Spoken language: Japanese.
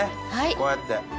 こうやって。